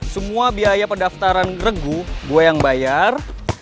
semua biaya pendaftaran regu gue yang bayar